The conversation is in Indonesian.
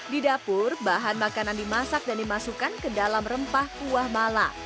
di dapur bahan makanan dimasak dan dimasukkan ke dalam rempah kuah mala